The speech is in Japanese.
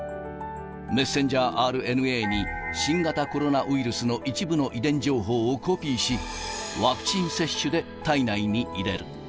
メッセンジャーＲＮＡに新型コロナウイルスの一部の遺伝情報をコピーし、ワクチン接種で体内に入れる。